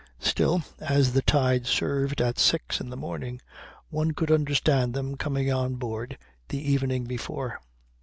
Still, as the tide served at six in the morning, one could understand them coming on board the evening before.